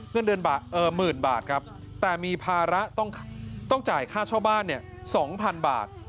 เงินเดือนหมื่นบาทครับแต่มีภาระต้องจ่ายค่าเช่าบ้าน๒๐๐๐บาท